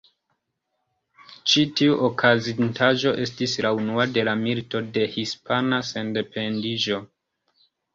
Ĉi tiu okazintaĵo estis la unua de la Milito de Hispana Sendependiĝo.